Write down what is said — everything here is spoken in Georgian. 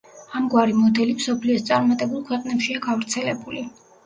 ამგვარი მოდელი მსოფლიოს წარმატებულ ქვეყნებშია გავრცელებული.